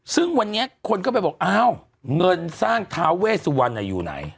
ซึ่งวันนี้คนเข้าไปบอกอ้าวเงินสร้างทาเวสวันอายุไหน